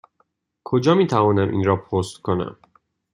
کجا می توانم این را پست کنم؟